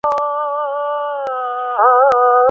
واوره به پر ځمکه ډېر وخت پاتې شي.